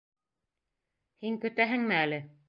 Һин көтәһеңме әле?